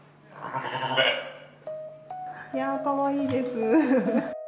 いや、かわいいです。